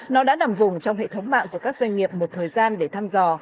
nó đã nằm vùng trong hệ thống mạng của các doanh nghiệp một thời gian để thăm dò